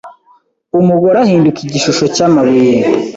umugore ahinduka igishusho cyamabuye